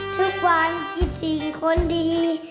ทุกวันคิดสิ่งคนดี